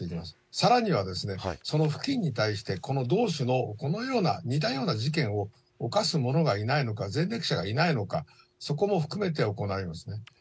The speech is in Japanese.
さらには、その付近に対して、この同種の、このような、似たような事件を犯す者がいないのか、前歴者がいないのか、そこも含めて行いますね。